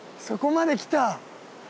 そこまで来た！